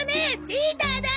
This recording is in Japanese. チーターだ！